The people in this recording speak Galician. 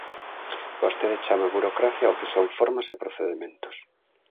Vostede chama burocracia ao que son formas e procedementos.